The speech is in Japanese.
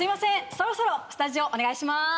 そろそろスタジオお願いしまーす。